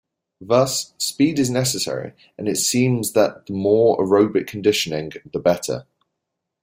Thus, speed is necessary, and it seems that the more aerobic conditioning, the better.